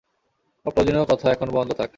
অপ্রয়োজনীয় কথা এখন বন্ধ থাক।